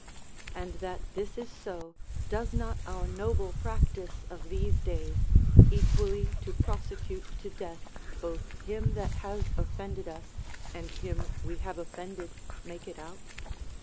And that this is so, does not our noble practice of these days, equally to prosecute to death both him that has offended us and him we have offended, make it out?